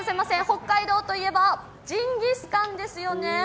北海道といえばジンギスカンですよね。